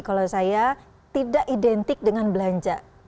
kalau saya tidak identik dengan belanja